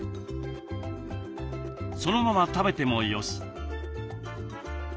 そのまま食べてもよし。